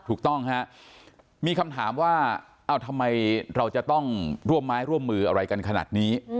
ถูกต้องฮะมีคำถามว่าทำไมเราจะต้องร่วมไม้ร่วมมืออะไรกันขนาดนี้